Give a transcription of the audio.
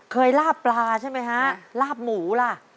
เคยลาบปลาใช่มั้ยฮะลาบหมูล่ะ